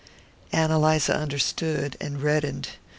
Ann Eliza understood and reddened.